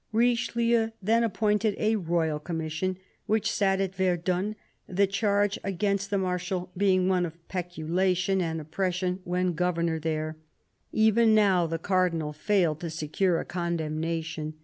Richelieu then appointed a Royal Commission, which sat at Verdun, the charge against the Marshal being one of peculation and oppression when governor there. Even now the Cardinal THE CARDINAL 223 failed to secure a condemnation.